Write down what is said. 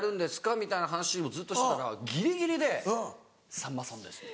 みたいな話をずっとしてたらギリギリで「さんまさんです」。